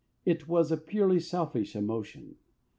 It was a purely selfish emotion.